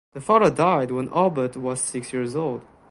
The father died when Albert was six years old.